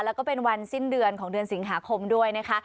แล้วก็เป็นวันสิ้นเดือนของเดือนสิงหาคมด้วยนะคะ